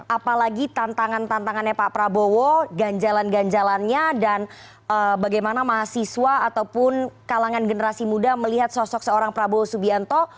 apalagi tantangan tantangannya pak prabowo ganjalan ganjalannya dan bagaimana mahasiswa ataupun kalangan generasi muda melihat sosok seorang prabowo subianto